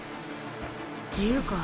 っていうか